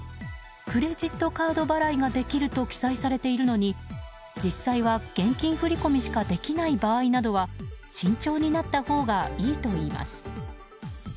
クレジットカード払いができると記載されているのに実際は現金振り込みしかできない場合などは慎重になったほうがいいといいます。